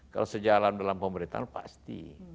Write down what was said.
kalau sejalan dalam pemerintahan pasti